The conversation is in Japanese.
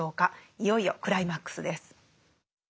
いよいよクライマックスです。